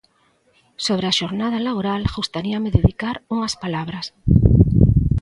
Sobre a xornada laboral gustaríame dedicar unhas palabras.